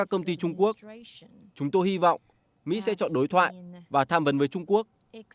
chúng tôi hy vọng mỹ sẽ chọn đối thoại và tham vấn với trung quốc